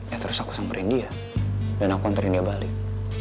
ya terus aku samperin dia dan aku konterin dia balik